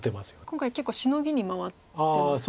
今回結構シノギに回ってますか？